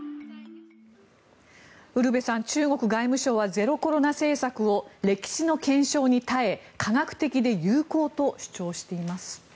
ウルヴェさん中国外務省はゼロコロナ政策を歴史の検証に耐え科学的で有効と主張しています。